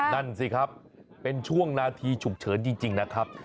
นั่นสิครับเป็นช่วงนาทีฉุกเฉินจริงนะครับ